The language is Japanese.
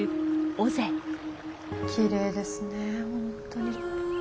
きれいですねほんとに。